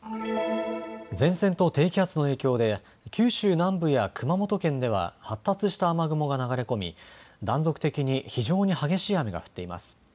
前線と低気圧の影響で九州南部や熊本県では発達した雨雲が流れ込み断続的に非常に激しい雨が降っています。